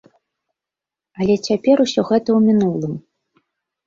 Але цяпер усё гэта ў мінулым.